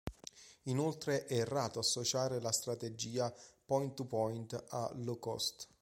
Inoltre è errato associare la strategia "point to point" al "low cost".